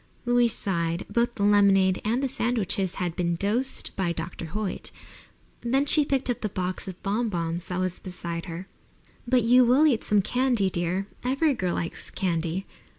Louise sighed. Both the lemonade and the sandwiches had been "dosed" by Dr. Hoyt. Then she picked up the box of bon bons that was beside her. "But you will eat some candy, dear. Every girl likes candy."